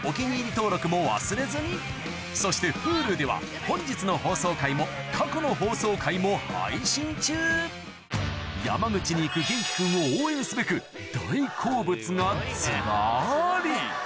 登録も忘れずにそしてＨｕｌｕでは本日の放送回も過去の放送回も配信中山口に行く元輝君を応援すべく大好物がずらり！